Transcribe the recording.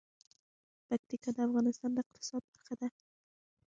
پکتیکا د افغانستان د اقتصاد برخه ده.